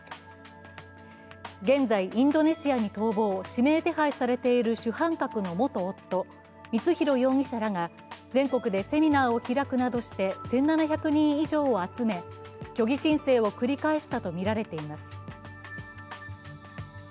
現在、インドネシアに逃亡、指名手配されている主犯格の元夫・光弘容疑者らが全国でセミナーを開くなどして１７００人異常を集め虚偽申請を繰り返したとみられています。